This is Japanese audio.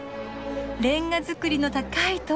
レンガ造りの高い塔。